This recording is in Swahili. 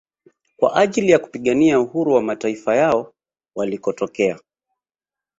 Kwa ajili ya kupigania uhuru wa mataifa yao walikotokea